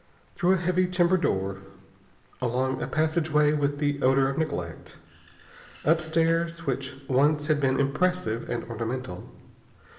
Through a heavy timber door. Along a passageway with the odor of neglect. Up stairs which once had been impressive and ornamental.